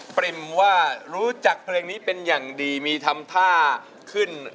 ปริ่มว่ารู้จักเพลงนี้เป็นอย่างดีมีทำท่าขึ้น